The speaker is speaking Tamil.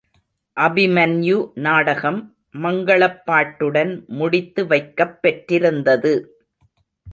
அபிமன்யு நாடகம் மங்களப் பாட்டுடன் முடித்து வைக்கப் பெற்றிருந்தது.